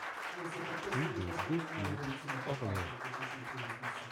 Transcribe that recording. Rue de Gaucourt, Orléans